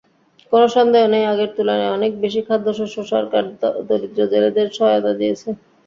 কোনো সন্দেহ নেই, আগের তুলনায় অনেক বেশি খাদ্যশস্য সরকার দরিদ্র জেলেদের সহায়তা দিয়েছে।